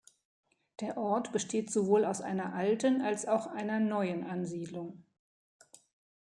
Der Ort besteht sowohl aus einer alten als auch einer neuen Ansiedlung.